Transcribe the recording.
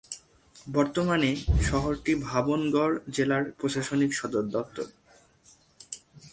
বর্তমানে, শহরটি ভাবনগর জেলার প্রশাসনিক সদর দপ্তর।